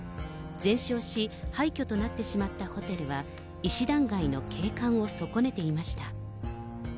全焼し、廃虚となってしまったホテルは、石段街の景観を損ねていました。